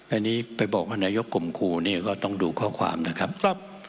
อันนี้ไปบอกอันยกกรมครูนี้ก็ต้องดูข้อความนะครับ